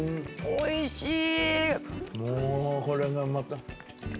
おいしい！